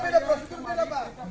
perintah beda prosedurnya pak